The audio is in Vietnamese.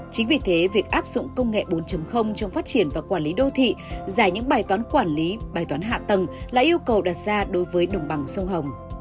chính vì thế việc áp dụng công nghệ bốn trong phát triển và quản lý đô thị giải những bài toán quản lý bài toán hạ tầng là yêu cầu đặt ra đối với đồng bằng sông hồng